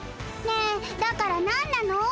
ねえだからなんなの？